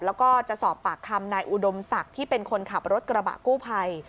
แล้วก็จะสอบปากคำนายอุดมศักดิ์ที่เป็นคนขับรถกระบะกู้ภัย